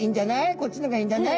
こっちのがいいんじゃない？」